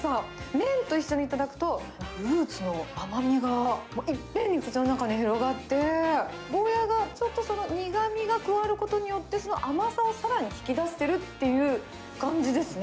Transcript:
麺と一緒に頂くと、フルーツの甘みがいっぺんに口の中に広がって、ゴーヤがちょっとその苦みが加わることによって、その甘さをさらに引き出してるっていう感じですね。